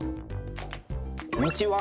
こんにちは。